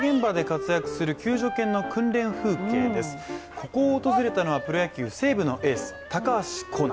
ここを訪れたのは、プロ野球西武のエース・高橋光成。